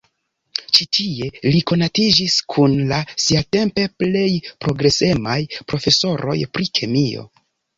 Ĉi-tie li konatiĝis kun la siatempe plej progresemaj profesoroj pri kemio.